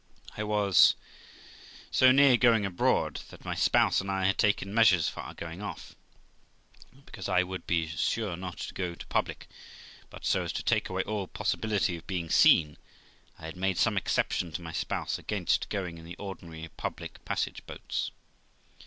I was so near going abroad, that my spouse and I had taken measures for our going off; and because I would be sure not to go too public, but so as to take away all possibility of being seen, I had made some exception to my spouse against going in the ordinary public passage boats.